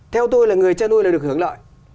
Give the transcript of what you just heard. theo tôi là người cho nuôi là được hưởng lợi